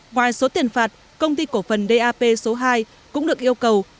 ngoài số tiền phạt công ty cổ phần dap số hai cũng được yêu cầu